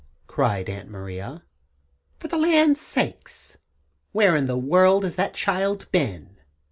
cried Aunt Maria. "For the land's sakes! Where in the world has that child been?